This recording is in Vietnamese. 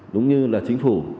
đúng như là chính phủ